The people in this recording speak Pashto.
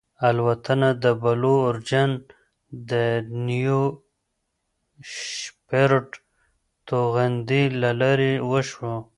الوتنه د بلو اوریجن د نیو شیپرډ توغندي له لارې وشوه.